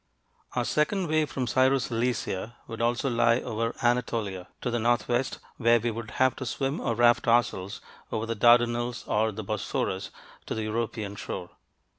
Our second way from Syro Cilicia would also lie over Anatolia, to the northwest, where we would have to swim or raft ourselves over the Dardanelles or the Bosphorus to the European shore.